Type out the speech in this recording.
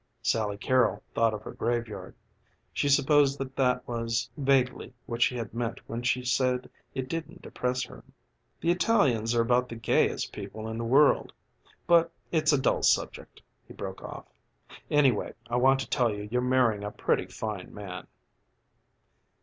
Sally Carrol thought of her graveyard. She supposed that that was vaguely what she had meant when she said it didn't depress her. "The Italians are about the gayest people in the world but it's a dull subject," he broke off. "Anyway, I want to tell you you're marrying a pretty fine man."